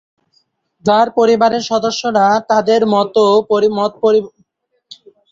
তার পরিবারের সদস্যরা তাদের মত পরিবর্তন করেছিল যখন তারা বুঝতে পেরেছিল যে সে তার লক্ষে আন্তরিক।